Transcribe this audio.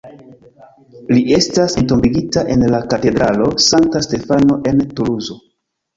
Li estas entombigita en la Katedralo Sankta Stefano en Tuluzo.